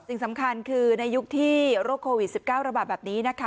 สิ่งสำคัญคือในยุคที่โรคโควิด๑๙ระบาดแบบนี้นะคะ